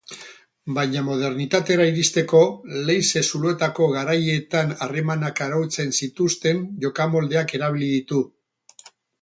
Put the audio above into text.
Baina modernitatera iristeko, leize-zuloetako garaietan harremanak arautzen zituzten jokamoldeak erabili ditu.